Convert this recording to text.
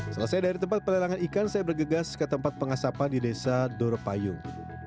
selesai dari tempat pelelangan ikan saya bergegas ke tempat pengasapan di desa doropayung